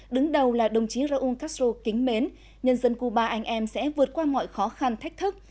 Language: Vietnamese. đứng đầu là đồng chí raúl castro kính mến nhân dân cuba anh em sẽ vượt qua mọi khó khăn thách thức